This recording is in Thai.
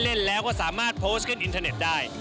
เล่นแล้วก็สามารถโพสต์ขึ้นอินเทอร์เน็ตได้